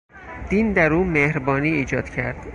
دین در او مهربانی ایجاد کرد.